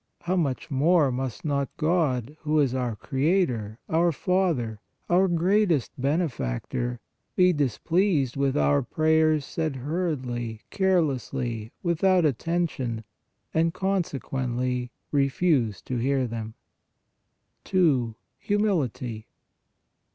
How much more must not God, who is our Creator, our Father, our greatest Benefactor, be displeased with our prayers said hurriedly, carelessly, without attention, and consequently, refuse to hear them ! 2. HUMILITY.